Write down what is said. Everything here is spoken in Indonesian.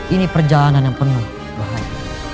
ini perjalanan yang penuh bahaya